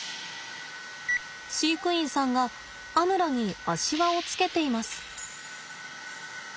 飼育員さんがアヌラに足輪をつけています。